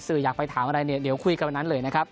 สื่ออยากไปถามอะไรเดี๋ยวคุยกับนั้นเลยนะครับ